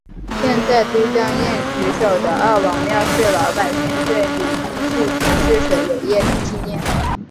建在都江堰渠首的二王庙是老百姓对李冰父子治水伟业的纪念。